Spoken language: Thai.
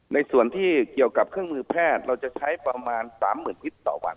ในส่วนที่เกี่ยวกับเครื่องมือแพทย์เราจะใช้ประมาณ๓๐๐๐ลิตรต่อวัน